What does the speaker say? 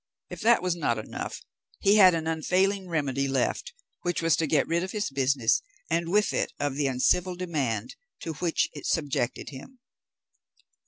If that was not enough, he had an unfailing remedy left, which was to get rid of his business and with it of the uncivil demand to which it subjected him.